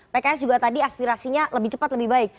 pks juga tadi aspirasinya lebih cepat lebih baik